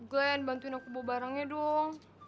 glenn bantuin aku bawa barangnya dong